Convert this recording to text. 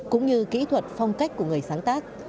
cũng như kỹ thuật phong cách của người sáng tác